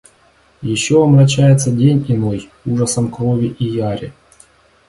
Еще омрачается день иной ужасом крови и яри.